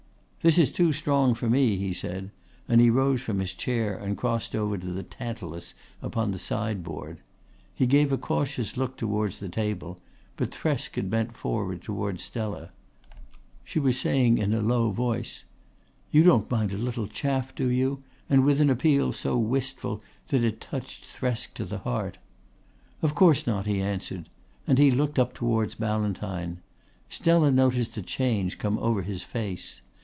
"This is too strong for me," he said, and he rose from his chair and crossed over to the tantalus upon the sideboard. He gave a cautious look towards the table, but Thresk had bent forward towards Stella. She was saying in a low voice: "You don't mind a little chaff, do you?" and with an appeal so wistful that it touched Thresk to the heart. "Of course not," he answered, and he looked up towards Ballantyne. Stella noticed a change come over his face.